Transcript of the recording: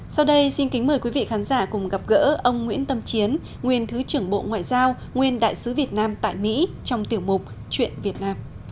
sau đây xin kính mời quý vị khán giả cùng gặp gỡ ông nguyễn tâm chiến nguyên thứ trưởng bộ ngoại giao nguyên đại sứ việt nam tại mỹ trong tiểu mục chuyện việt nam